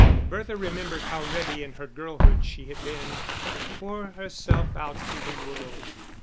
Bertha remembered how ready in her girlhood she had been to pour herself out to the world.